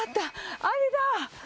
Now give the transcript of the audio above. あれだ。